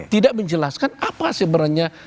tidak menjelaskan apa sebenarnya